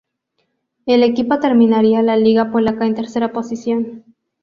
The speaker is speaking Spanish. El equipo terminaría la liga polaca en tercera posición.